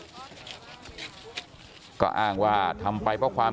แต่ว่าวินนิสัยดุเสียงดังอะไรเป็นเรื่องปกติอยู่แล้วครับ